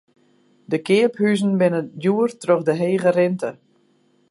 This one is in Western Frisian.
De keaphuzen binne djoer troch de hege rinte.